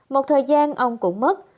một thời gian ông cũng mất